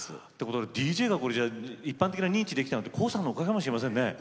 ＤＪが一般的な認知できたのってＫＯＯさんのおかげかもしれません。